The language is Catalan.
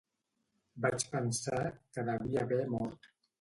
Vaig pensar que devia haver mort